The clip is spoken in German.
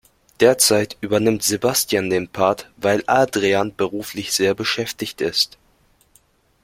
Derzeit übernimmt Sebastian den Part, weil Adrian beruflich sehr beschäftigt ist.